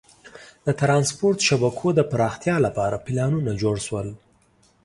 د ترانسپورت شبکو د پراختیا لپاره پلانونه جوړ شول.